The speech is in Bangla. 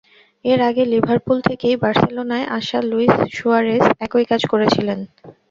এর আগে লিভারপুল থেকেই বার্সেলোনায় আসা লুইস সুয়ারেজ একই কাজ করেছিলেন।